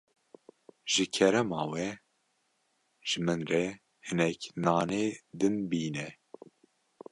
Ji kerema we, ji min re hinek nanê din bîne.